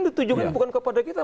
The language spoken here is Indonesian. ditujukan bukan kepada kita